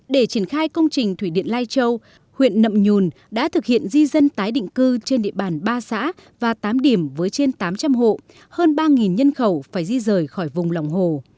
để triển khai công trình thủy điện lai châu huyện nậm nhùn đã thực hiện di dân tái định cư trên địa bàn ba xã và tám điểm với trên tám trăm linh hộ hơn ba nhân khẩu phải di rời khỏi vùng lòng hồ